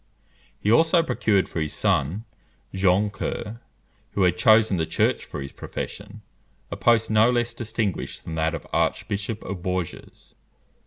He also procured for his son, Jean Coeur, who had chosen the Church for his profession, a post no less distinguished than that of Archbishop of Bourges.